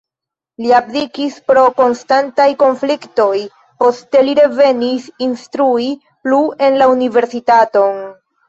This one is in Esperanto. Li abdikis pro konstantaj konfliktoj, poste li revenis instrui plu en la universitaton.